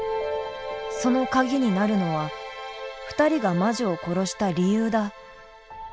そのカギになるのは２人が魔女を殺した理由だ。